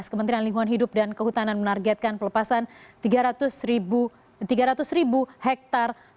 kementerian lingkungan hidup dan kehutanan menargetkan pelepasan tiga ratus ribu hektare